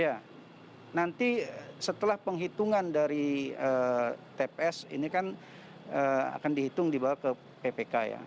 ya nanti setelah penghitungan dari tps ini kan akan dihitung dibawa ke ppk ya